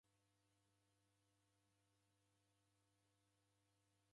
Okumoni Abo kwavika miaka ilinga?